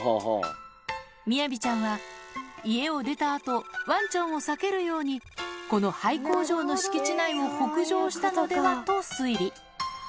みやびちゃんは、家を出たあと、ワンちゃんを避けるように、この廃工場の敷地内を北上したのではと推理。